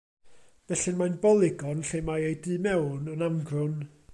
Felly, mae'n bolygon lle mae ei du mewn yn amgrwm.